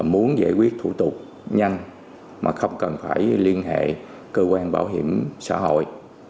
muốn giải quyết thủ tục nhanh mà không cần phải liên hệ cơ quan bảo hiểm xã hội